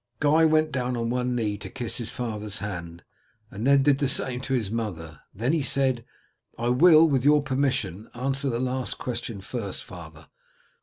Guy went down on one knee to kiss his father's hand, and then did the same to his mother, then he said, "I will with your permission answer the last question first, father.